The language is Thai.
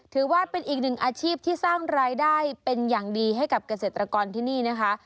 ถือว่าเป็นอีกหนึ่งอาชีพที่สร้างรายได้เป็นอย่างดีให้กับเกษตรกรที่นี่นะคะ